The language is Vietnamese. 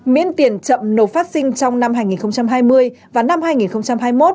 miễn tiền chậm nộp phát sinh trong năm hai nghìn hai mươi và năm hai nghìn hai mươi một